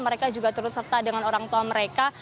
mereka juga turut serta dengan orang tua mereka